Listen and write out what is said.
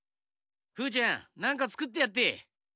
フーちゃんなんかつくってやって。